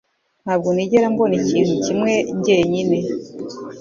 Ntabwo nigera mbona ikintu na kimwe njyenyine